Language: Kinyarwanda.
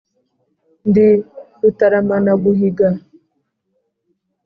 Ndi Rutaramanaguhiga.